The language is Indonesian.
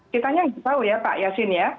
kita hanya tahu ya pak yasin ya